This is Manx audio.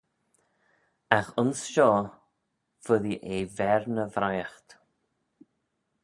Agh ayns shoh foddee eh v'er ny vriaght.